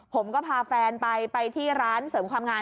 ผมก็พาแฟนไปไปที่ร้านเสริมความงาม